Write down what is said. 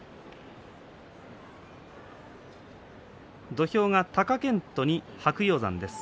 土俵は貴健斗に白鷹山です。